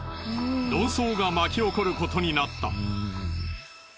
論争が巻き起こることになった。